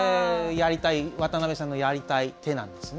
やりたい渡辺さんのやりたい手なんですね。